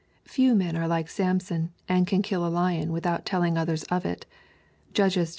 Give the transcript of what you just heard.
Few men are like Samson^ and can kill a lion without telling others of it. (Judges xiv.